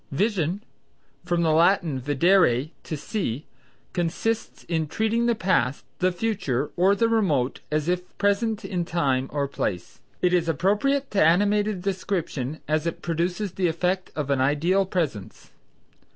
Vision (from the Latin videre, to see) consists in treating the past, the future, or the remote as if present in time or place. It is appropriate to animated description, as it produces the effect of an ideal presence.